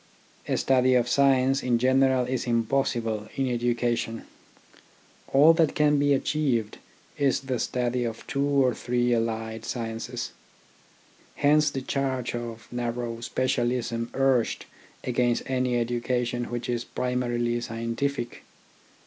A study of science in general is impossible in education, all that can be achieved is the study of two or three allied sciences. Hence the charge of narrow specialism urged against any education which is primarily scientific.